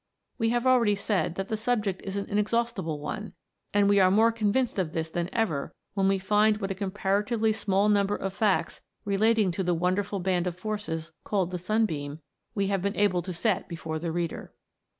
We have already said that the subject is an inexhaustible one, and we are more convinced of this than ever when we find what a comparatively small number of facts relating to the wonderful band of forces called* the sunbeam, we have been able to set before the reader.